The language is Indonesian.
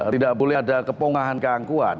tidak boleh ada kepongahan keangkuan